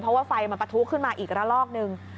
เพราะว่าไฟมันปะทุขึ้นมาอีกระลอกนึง